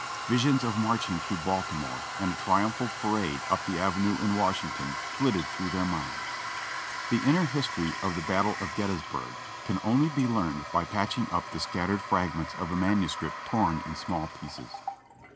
Visions of marching through Baltimore and a triumphal parade up the avenue in Washington flitted through their minds. The inner history of the Battle of Gettysburg can only be learned by patching up the scattered fragments of a manuscript torn in small pieces.